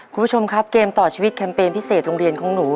คุณผู้ชมครับเกมต่อชีวิตแคมเปญพิเศษโรงเรียนของหนู